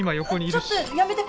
あっちょっとやめて。